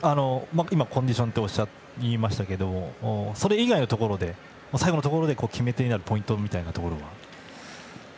今、コンディションとおっしゃいましたけどそれ以外のところで最後のところで決め手になるポイントみたいなところは。